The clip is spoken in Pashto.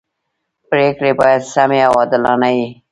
پریکړي باید سمي او عادلانه يي.